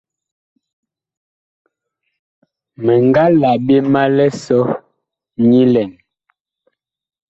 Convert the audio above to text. Mi nga la ɓe ma lisɔ nyilɛn.